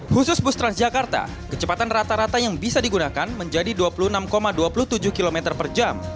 khusus bus transjakarta kecepatan rata rata yang bisa digunakan menjadi dua puluh enam dua puluh tujuh km per jam